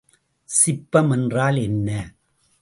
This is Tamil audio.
சிப்பம் என்றால் என்ன?